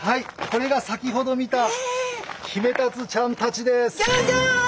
これが先ほど見たヒメタツちゃんたちです。